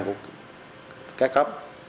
của các cấp